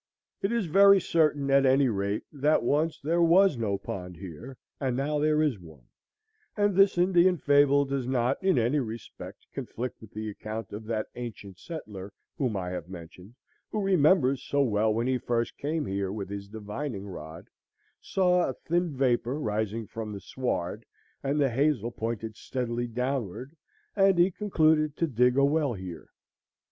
It is very certain, at any rate, that once there was no pond here, and now there is one; and this Indian fable does not in any respect conflict with the account of that ancient settler whom I have mentioned, who remembers so well when he first came here with his divining rod, saw a thin vapor rising from the sward, and the hazel pointed steadily downward, and he concluded to dig a well here.